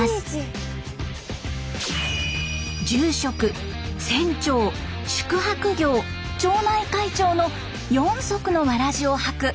住職船長宿泊業町内会長の４足のわらじを履く山下さん。